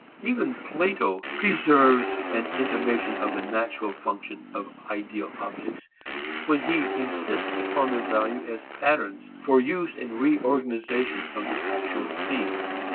Even Plato preserves an intimation of the natural function of ideal objects when he insists upon their value as patterns for use in reorganization of the actual scene.